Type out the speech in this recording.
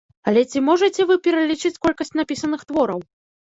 Але ці можаце вы пералічыць колькасць напісаных твораў?